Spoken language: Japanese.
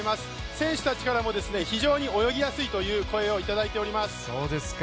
選手たちからも非常に泳ぎやすいという声をいただいております。